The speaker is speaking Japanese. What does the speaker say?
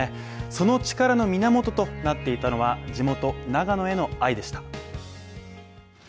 その力の源となっていたのは地元・長野への愛でした。